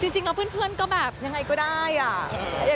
จริงแล้วเพื่อนก็แบบยังไงก็ได้อ่ะ